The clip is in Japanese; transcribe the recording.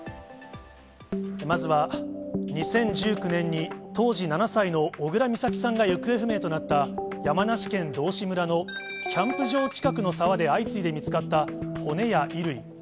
まずは２０１９年に、当時７歳の小倉美咲さんが行方不明となった山梨県道志村のキャンプ場近くの沢で相次いで見つかった骨や衣類。